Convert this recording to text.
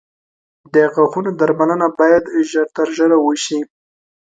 • د غاښونو درملنه باید ژر تر ژره وشي.